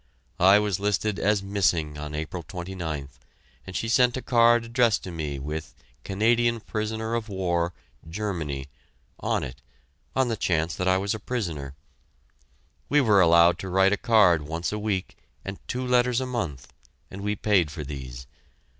I was listed "Missing" on April 29th, and she sent a card addressed to me with "Canadian Prisoner of War, Germany," on it, on the chance that I was a prisoner. We were allowed to write a card once a week and two letters a month; and we paid for these.